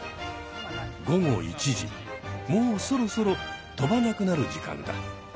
午後１時もうそろそろとばなくなる時間だ。